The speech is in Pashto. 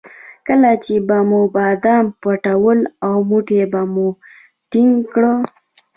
کله چې به مو بادام پټول او موټ به مو ټینګ کړ.